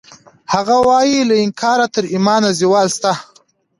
هغه وایی له انکاره تر ایمانه زوال شته